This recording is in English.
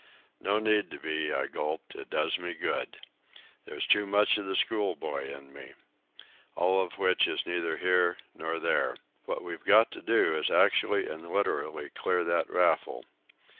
"No need to be," I gulped. "It does me good. There's too much of the schoolboy in me. All of which is neither here nor there. What we've got to do is actually and literally to clear that raffle.